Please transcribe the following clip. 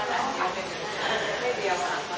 สวัสดีครับสวัสดีครับ